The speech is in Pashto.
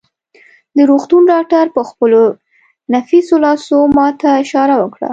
د روغتون ډاکټر په خپلو نفیسو لاسو ما ته اشاره وکړه.